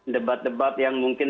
debat debat yang mungkin